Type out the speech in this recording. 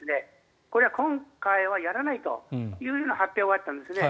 これが今回はやらないという発表があったんですね。